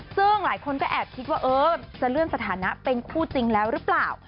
ซึ่งหลายคนก็แอบคิดว่าเออจะเลื่อนสถานะเป็นคู่จริงแล้วหรือเปล่า